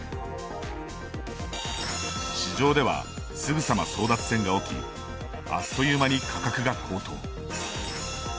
市場ではすぐさま争奪戦が起きあっという間に価格が高騰。